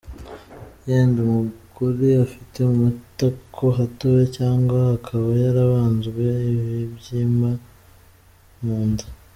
Yenda umugore afite mu matako hatoya, cyangwa akaba yarabanzwe ibibyima mu nda.